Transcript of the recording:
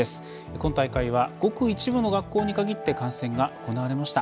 今大会はごく一部の学校に限って観戦が行われました。